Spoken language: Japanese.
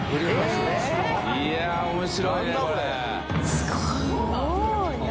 すごい！何？